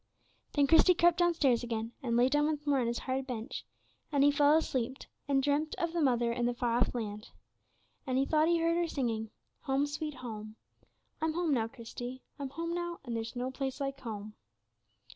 Then Christie crept downstairs again, and lay down once more on his hard bench, and he fell asleep, and dreamt of the mother in the far off land. And he thought he heard her singing, "'Home, sweet Home,' I'm home now, Christie; I'm home now, and there's no place like home."